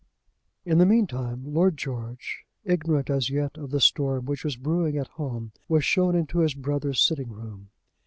In the meantime Lord George, ignorant as yet of the storm which was brewing at home, was shown into his brother's sitting room.